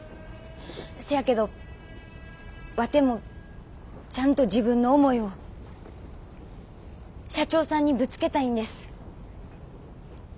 せやけどワテもちゃんと自分の思いを社長さんにぶつけたいんです。